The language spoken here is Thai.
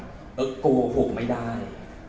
เออโกหกไม่ได้